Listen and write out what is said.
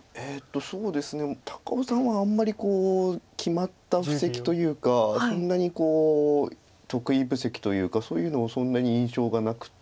そうですね高尾さんはあんまり決まった布石というかそんなに得意布石というかそういうのはそんなに印象がなくて。